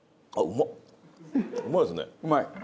うまい。